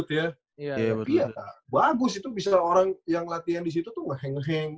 tapi ya bagus itu bisa orang yang latihan di situ tuh ngeheng heng